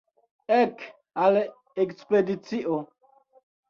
Ek al ekspedicio!